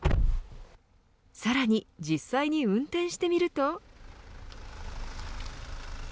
さらに実際に運転してみると。